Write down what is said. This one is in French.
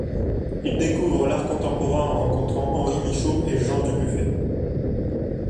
Il découvre l’art contemporain en rencontrant Henri Michaux et Jean Dubuffet.